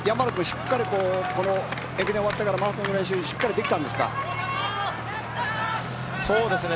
しっかりと駅伝が終わってからマラソンの練習がしっかりできたんですか。